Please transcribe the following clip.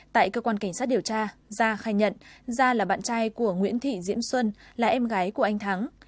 tại cơ quan cảnh sát điều tra gia khai nhận gia là bạn trai của nguyễn thị diễm xuân là em gái của anh thắng